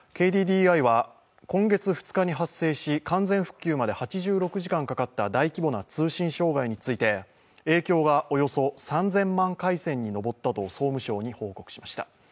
ＫＤＤＩは、今月２日に発生し完全復旧まで８６時間かかった大規模な通信障害について影響がおよそ３０００万回線に上ったと総務省に報告しました。